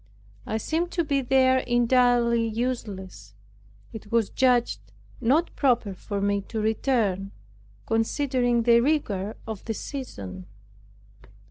I seemed to be there entirely useless. It was judged not proper for me to return, considering the rigor of the season.